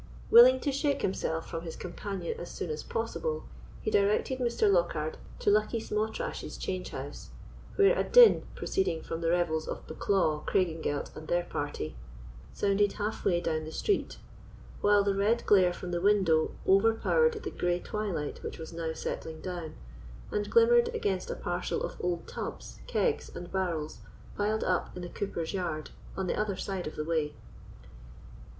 Willing to shake himself from his companion as soon as possible, he directed Mr. Lockhard to Luckie Sma trash's change house, where a din, proceeding from the revels of Bucklaw, Craigengelt, and their party, sounded half way down the street, while the red glare from the window overpowered the grey twilight which was now settling down, and glimmered against a parcel of old tubs, kegs, and barrels, piled up in the cooper's yard, on the other side of the way.